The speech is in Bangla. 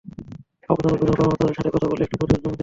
আপনার ঊর্ধ্বতন কর্মকর্তাদের সাথে কথা বলে একটি প্রতিবেদন জমা দিন।